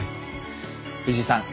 藤井さん